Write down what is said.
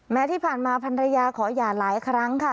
ที่ผ่านมาพันรยาขอหย่าหลายครั้งค่ะ